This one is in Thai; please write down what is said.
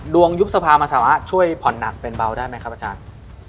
ยุบสภามันสามารถช่วยผ่อนหนักเป็นเบาได้ไหมครับอาจารย์